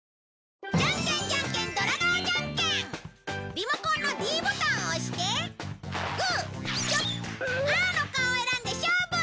リモコンのｄボタンを押してグーチョキパーの顔を選んで勝負！